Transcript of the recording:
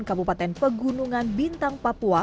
kabupaten pegunungan bintang papua